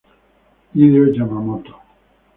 Hideo Yamamoto